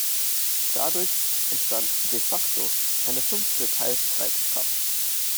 Dadurch entstand "de facto" eine fünfte Teilstreitkraft.